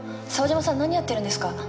沢嶋さん何やってるんですか。